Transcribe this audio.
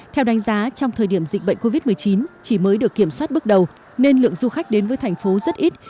theo đánh giá trong thời điểm dịch bệnh covid một mươi chín chỉ mới được kiểm soát bước đầu nên lượng du khách đến với thành phố rất ít